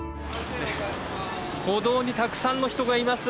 歩道にたくさんの人がいます。